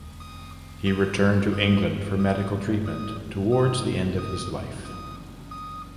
He returned to England for medical treatment towards the end of his life.